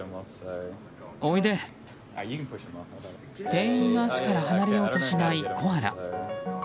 店員の足から離れようとしないコアラ。